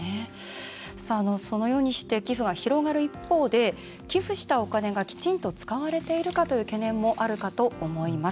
そのようにして寄付が広がる一方で寄付したお金がきちんと使われているかという懸念もあると思います。